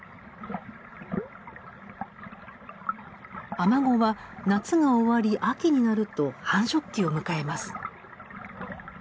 アマゴは夏が終わり秋になると繁殖期を迎えます。